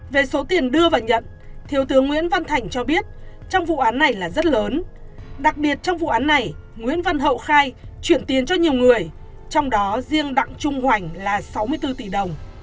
về số tiền đưa và nhận thiếu tướng nguyễn văn thành cho biết trong vụ án này là rất lớn đặc biệt trong vụ án này nguyễn văn hậu khai chuyển tiền cho nhiều người trong đó riêng đặng trung hoành là sáu mươi bốn tỷ đồng